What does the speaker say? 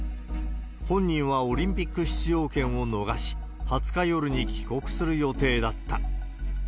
本人はオリンピック出場権を逃し、２０日夜に帰国する予定だった。